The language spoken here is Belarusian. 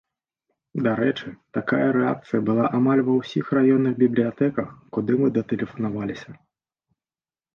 Дарэчы, такая рэакцыя была амаль ва ўсіх раённых бібліятэках, куды мы датэлефанаваліся.